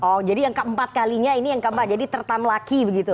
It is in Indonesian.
oh jadi yang keempat kalinya ini yang keempat jadi tertam laki begitu